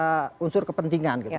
ada unsur kepentingan gitu